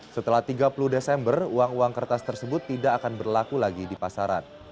setelah tiga puluh desember uang uang kertas tersebut tidak akan berlaku lagi di pasaran